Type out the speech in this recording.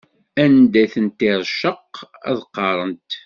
Anda i tent-iṛcex, ad qqaṛent.